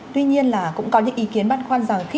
tuy nhiên là cũng có những ý kiến băn khoăn rằng khi